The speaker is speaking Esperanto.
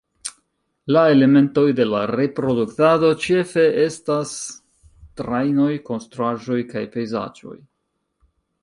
La elementoj de la reproduktado ĉefe estas trajnoj, konstruaĵoj kaj pejzaĝoj.